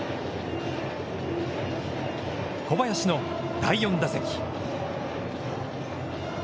小林の第４打席。